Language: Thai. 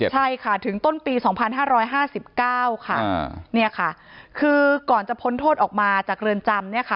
ใช่ค่ะถึงต้นปี๒๕๕๙ค่ะเนี่ยค่ะคือก่อนจะพ้นโทษออกมาจากเรือนจำเนี่ยค่ะ